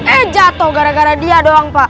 eh jatuh gara gara dia doang pak